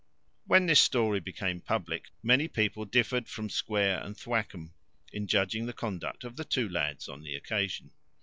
When this story became public, many people differed from Square and Thwackum, in judging the conduct of the two lads on the occasion.